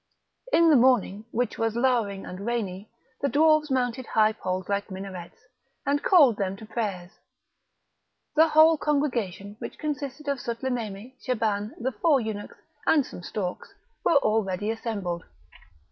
In the morning, which was lowering and rainy, the dwarfs mounted high poles like minarets, and called them to prayers; the whole congregation, which consisted of Sutlememe, Shaban, the four eunuchs, and some storks, were already assembled.